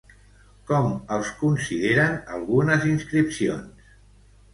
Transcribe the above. Com els consideren algunes inscripcions?